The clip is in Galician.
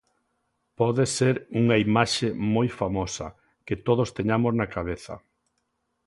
Pode ser unha imaxe moi famosa, que todos teñamos na cabeza.